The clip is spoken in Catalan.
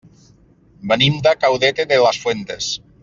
Venim de Caudete de las Fuentes.